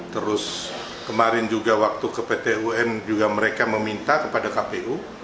terus kemarin juga waktu ke pt un juga mereka meminta kepada kpu